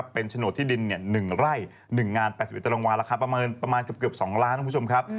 เป็นโฉนดที่ดิน๑ไร่๑งาน๘๑รางวัลราคาประมาณเกือบ๒ล้านบาท